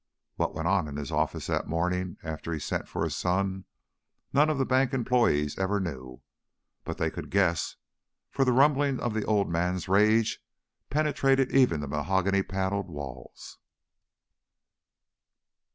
What went on in his office that morning after he sent for his son none of the bank's employees ever knew, but they could guess, for the rumblings of the old man's rage penetrated even the mahogany paneled walls.